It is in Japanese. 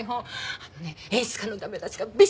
あのね演出家のダメ出しがびっしり。